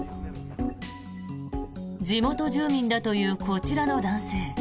地元住民だというこちらの男性。